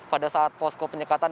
pada saat posko penyekatan